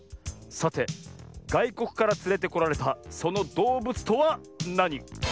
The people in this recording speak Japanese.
さてがいこくからつれてこられたそのどうぶつとはなに？